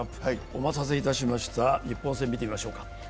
お待たせいたしました日本戦見てみましょうか。